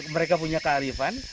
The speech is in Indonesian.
mereka punya kehalifan